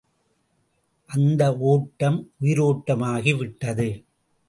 அந்த ஓட்டம் உயிரோட்டமாகி விட்டது.